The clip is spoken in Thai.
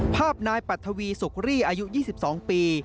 ภาพนายปัททวีสุกรีอายุยี่สิบสองปี